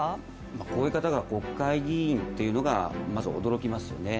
こういう方が国会議員というのがまず驚きますよね。